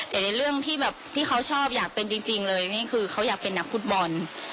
แต่ในเรื่องที่แบบที่เขาชอบอยากเป็นจริงเลยนี่คือเขาอยากเป็นนักฟุตบอล